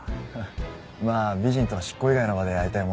美人とは執行以外の場で会いたいもんですね。